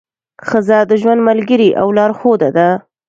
ښځه د ژوند ملګرې او لارښوده ده.